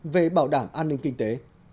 về bảo đảm an ninh kinh tế